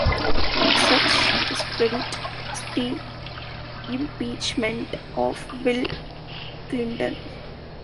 One such discredit was the Impeachment of Bill Clinton.